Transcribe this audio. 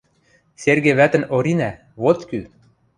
— Серге вӓтӹн Оринӓ — вот кӱ.